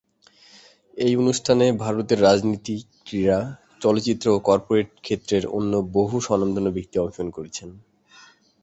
এই অনুষ্ঠানে ভারতের রাজনীতি, ক্রীড়া, চলচ্চিত্র ও কর্পোরেট ক্ষেত্রের অন্য বহু স্বনামধন্য ব্যক্তি অংশগ্রহণ করেছেন।